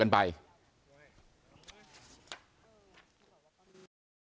ลุงพลบอกว่าอันนี้ก็ไม่รู้จริงเหมือนกันเพราะจะว่าไปเรื่องเครื่องดักฟังที่ไปติบอยู่ในรถกระบะลุงพลเนี่ย